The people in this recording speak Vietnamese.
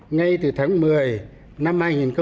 ngay từ tháng một mươi năm hai nghìn một mươi tám